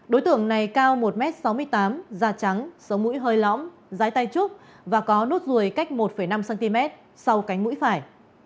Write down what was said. đối tượng này cao một m sáu mươi tám da trắng sống mũi hơi lõm rái tay trúc và có nốt ruồi cách một năm cm sau cánh mũi phải